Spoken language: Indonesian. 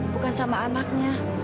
bukan sama anaknya